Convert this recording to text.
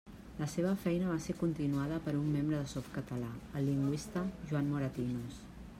La seva feina va ser continuada per un membre de Softcatalà, el lingüista Joan Moratinos.